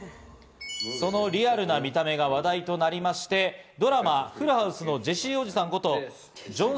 そのリアルな見た目が話題となりまして、ドラマ『フルハウス』のジェシーおじさんことジョン。